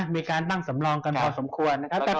มีการตั้งสำรองกันพอสมควร